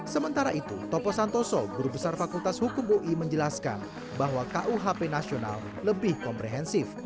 sementara itu topo santoso guru besar fakultas hukum ui menjelaskan bahwa kuhp nasional lebih komprehensif